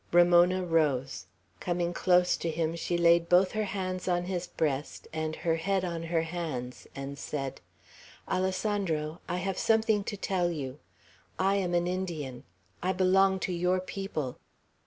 Ramona rose; coming close to him, she laid both her hands on his breast, and her head on her hands, and said: "Alessandro, I have something to tell you. I am an Indian. I belong to your people."